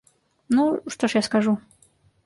Ну, што ж я скажу?